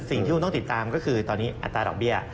สิ่งที่คุณต้องติดตามก็คือตอนนี้อัตราดอกเบี้ย